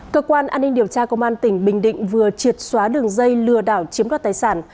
cơ quan an ninh điều tra công an tỉnh bình định vừa triệt xóa đường dây lừa đảo chiếm đoạt tài sản